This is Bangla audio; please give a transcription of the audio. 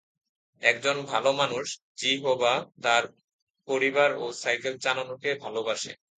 একজন ভাল মানুষ, যিহোবা, তার পরিবার এবং সাইকেল চালানোকে ভালবাসে।